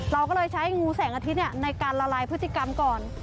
เราก็เลยใช้งูแสงอาทิตย์ในการละลายพฤติกรรมก่อน